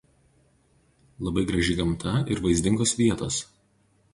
Labai graži gamta ir vaizdingos vietos.